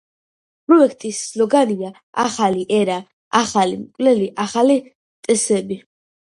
პროექტის სლოგანია „ახალი ერა, ახალი მკვლელი, ახალი წესები“.